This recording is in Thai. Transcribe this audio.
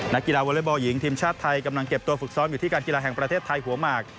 นักกีฬาวอเล็กบอลหญิงทีมชาติไทยกำลังเก็บตัวฝึกซ้อมอยู่ที่การกีฬาแห่งประเทศไทยหัวหมาก